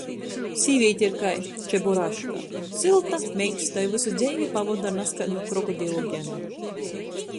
Sīvīte ir kai Čeburaška – sylta, meiksta i vysu dzeivi pavoda ar nazkaidu krokodilu Genu.